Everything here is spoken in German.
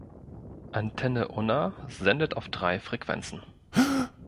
Antenne Unna sendet auf drei Frequenzen.